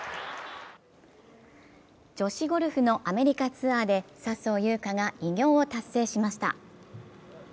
女子ゴルフのアメリカツアーで笹生優花が偉業を達成しました。